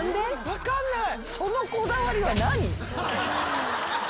分かんない。